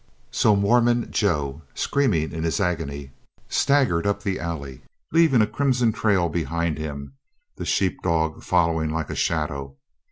So Mormon Joe, screaming in his agony, staggered up the alley, leaving a crimson trail behind him, the sheep dog following like a shadow.